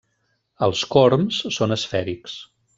Els corms són esfèrics.